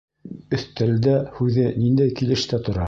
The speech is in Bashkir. «Өҫтәлдә» һүҙе ниндәй килештә тора?